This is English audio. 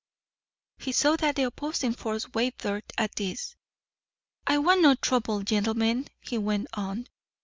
He saw that the opposing force wavered at this. "I want no trouble, gentlemen," he went on.